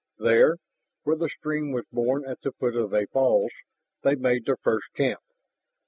There, where the stream was born at the foot of a falls, they made their first camp.